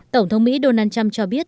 tổng thống mỹ donald trump cho biết